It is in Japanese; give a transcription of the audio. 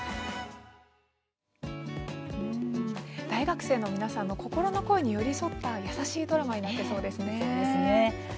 大学生の皆さんの心の声に寄り添った優しいドラマになっていましたね。